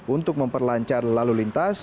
untuk memperlancar lalu lintas